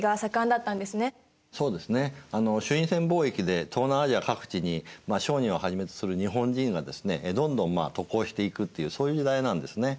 朱印船貿易で東南アジア各地に商人をはじめとする日本人がですねどんどん渡航していくっていうそういう時代なんですね。